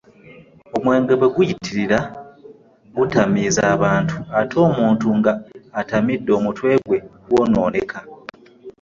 Omwenge bwe guyitirira gutamiiza abantu, ate omuntu nga atamidde omutwe gwe gwonooneka.